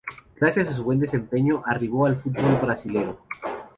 Gracias a su buen desempeño arribó al fútbol Brasilero.